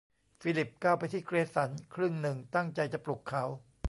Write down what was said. ฟิลิปก้าวไปที่เกรสันครึ่งหนึ่งตั้งใจจะปลุกเขา